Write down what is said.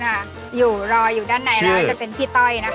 อยู่รออยู่ด้านในแล้วจะเป็นพี่ต้อยนะคะ